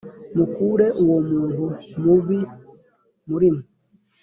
mukure uwo muntu mubi muri mwe